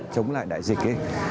chống lại đại dịch